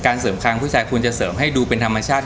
เสริมคังผู้ชายควรจะเสริมให้ดูเป็นธรรมชาติ